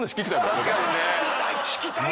聞きたい！